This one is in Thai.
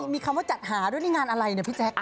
มีคำว่าจัดหาด้วยนี่งานอะไรเนี่ยพี่แจ๊ค